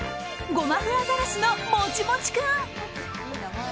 ゴマフアザラシのもちもち君。